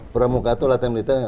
pertamuka itu latihan militer